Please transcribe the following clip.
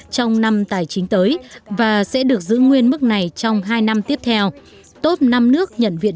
trong năm tài chính tới và sẽ được giữ nguyên mức này trong hai năm tiếp theo top năm nước nhận viện